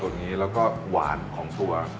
ตัวนี้แล้วก็หวานของตัว